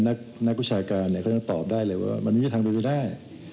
นักนักวิชาการเนี่ยเขาต้องตอบได้เลยว่ามันมีทางไปไม่ได้